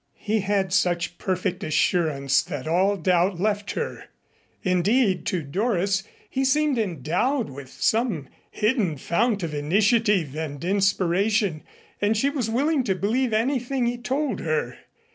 He had such perfect assurance that all doubt left her. Indeed, to Doris, he seemed endowed with some hidden fount of initiative and inspiration, and she was willing to believe anything he told her.